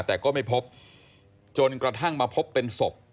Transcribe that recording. แต่ก็ไม่พบจนกระทั่งมาพบเป็นศพ